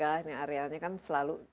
area nya kan selalu